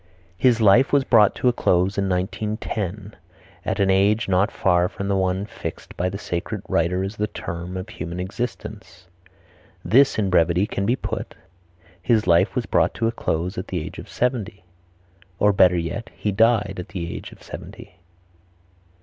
"His life was brought to a close in 1910 at an age not far from the one fixed by the sacred writer as the term of human existence." This in brevity can be put, "His life was brought to a close at the age of seventy;" or, better yet, "He died at the age of seventy."